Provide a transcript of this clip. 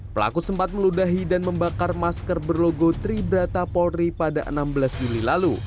pelaku sempat meludahi dan membakar masker berlogo tribrata polri pada enam belas juli lalu